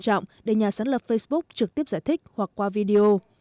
trọng để nhà sáng lập facebook trực tiếp giải quyết vụ việc